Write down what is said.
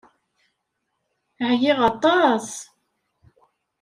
Ɛyiɣ aṭas!